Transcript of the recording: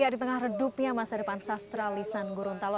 di tengah redupnya masa depan sastralisan gorontalo